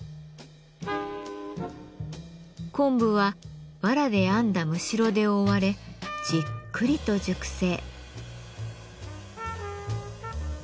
昆布はわらで編んだむしろで覆われじっくりと熟成。